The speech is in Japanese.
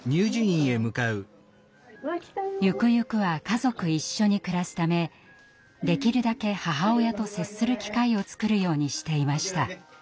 ゆくゆくは家族一緒に暮らすためできるだけ母親と接する機会を作るようにしていました。